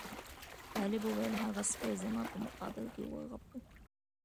طالب وویل هغه سپي زما په مقابل کې وغپل.